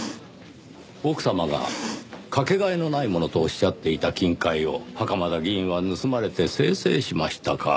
奥様が「掛け替えのないもの」とおっしゃっていた金塊を袴田議員は盗まれて清々しましたか。